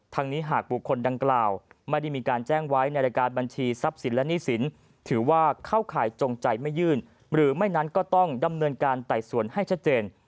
นี้หากบุคคลดังกล่าวไม่ได้มีการแจ้งไว้ในรายการบัญชีทรัพย์สินและหนี้สินถือว่าเข้าข่ายจงใจไม่ยื่นหรือไม่นั้นก็ต้องดำเนินการไต่สวนให้ชัดเจน